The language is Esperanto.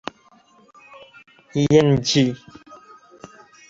Jen ĝi.